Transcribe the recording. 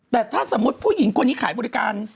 แต่ถ้าสมมุติผู้หญิงคนนี้ขายบริการ